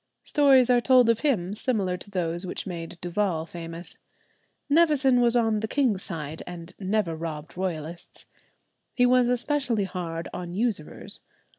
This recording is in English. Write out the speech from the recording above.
Stories are told of him similar to those which made Duval famous. Nevison was on the king's side, and never robbed Royalists. He was especially hard on usurers.